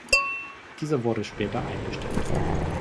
Dieser wurde später eingestellt.